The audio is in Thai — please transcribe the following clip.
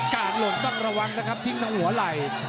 การหลงต้องระวังนะครับทิ้งทั้งหัวไหล่